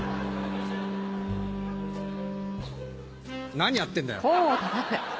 何やってんだよ。